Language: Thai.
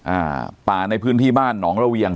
อ่าป่าในพื้นที่บ้านหนองระเวียง